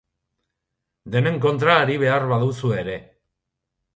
Denen kontra ari behar baduzu ere.